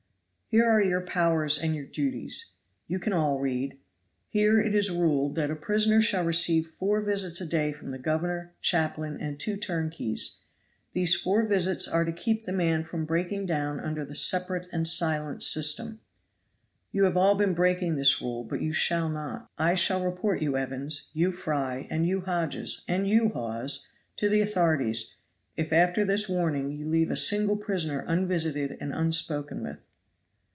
Here are your powers and your duties; you can all read. Here it is ruled that a prisoner shall receive four visits a day from the governor, chaplain and two turnkeys; these four visits are to keep the man from breaking down under the separate and silent system. You have all been breaking this rule, but you shall not. I shall report you Evans, you Fry, and you Hodges, and you Mr. Hawes, to the authorities, if after this warning you leave a single prisoner unvisited and unspoken with."